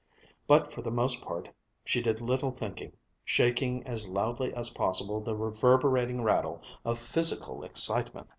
But for the most part she did little thinking, shaking as loudly as possible the reverberating rattle of physical excitement.